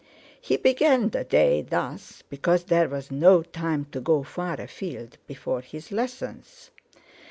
He began the day thus because there was not time to go far afield before his lessons.